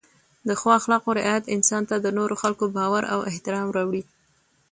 د ښو اخلاقو رعایت انسان ته د نورو خلکو باور او احترام راوړي.